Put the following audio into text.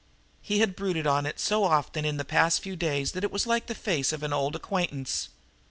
He had brooded on it so often in the past few days that it was like the face of an old acquaintance.